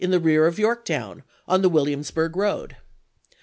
HoiisG ill the rear of Yorktown, on the Williams burg road.